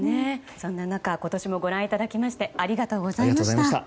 そんな中今年もご覧いただきましてありがとうございました。